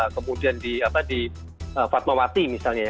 kemudian di apa di fatmawati misalnya ya